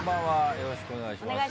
よろしくお願いします。